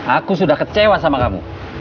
aku sudah kecewa sama kamu